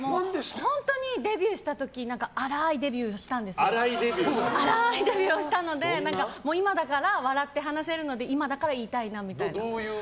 本当にデビューした時荒いデビューをしたので荒いデビューをしたので今だから笑って話せるので今だから言いたいなみたいな。